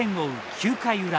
９回裏。